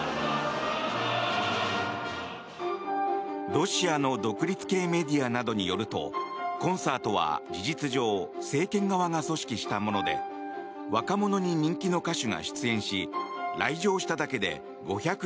ロシアの独立系メディアなどによるとコンサートは事実上政権側が組織したもので若者に人気の歌手が出演し来場しただけで５００